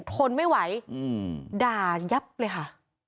ทนไม่ไหวด่ายับเลยค่ะ